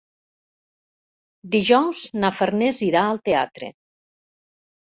Dijous na Farners irà al teatre.